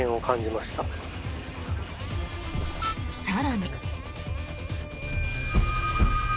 更に。